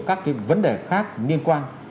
các vấn đề khác liên quan